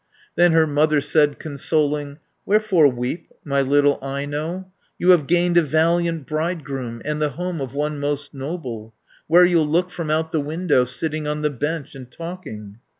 Then her mother said consoling, "Wherefore weep, my little Aino? You have gained a valiant bridegroom, And the home of one most noble, Where you'll look from out the window, Sitting on the bench and talking."